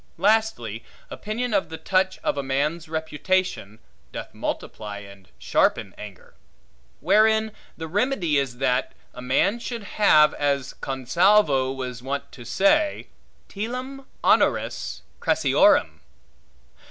Lastly, opinion of the touch of a man's reputation, doth multiply and sharpen anger. Wherein the remedy is, that a man should have, as Consalvo was wont to say, telam honoris crassiorem.